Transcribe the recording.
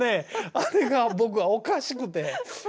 あれが僕はおかしくて。